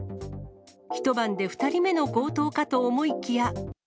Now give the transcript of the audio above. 一晩で２人目の強盗かと思いきや。